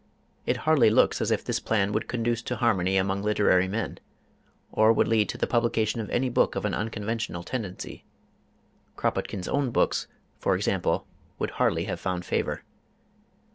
It hardly looks as if this plan would conduce to harmony among literary men, or would lead to the publication of any book of an unconventional tendency. Kropotkin's own books, for example, would hardly have found favor.